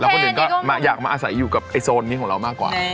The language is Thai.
คนอื่นก็อยากมาอาศัยอยู่กับไอ้โซนนี้ของเรามากกว่า